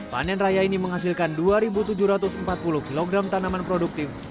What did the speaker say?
panen raya ini menghasilkan dua tujuh ratus empat puluh kg tanaman produktif